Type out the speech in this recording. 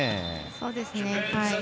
そうですね。